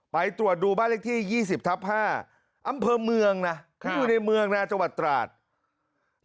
ไปตรวจดูบ้านเลขที่๒๐ทับ๕อำเภอเมืองนะอยู่ในเมืองนะจังหวัดตราด